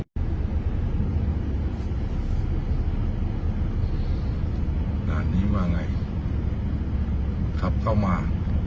ด่านนี้มาไงขับเข้ามา